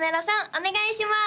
お願いします！